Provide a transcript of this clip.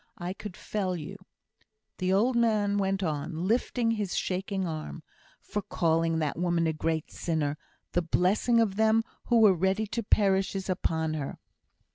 I could fell you," the old man went on, lifting his shaking arm, "for calling that woman a great sinner. The blessing of them who were ready to perish is upon her."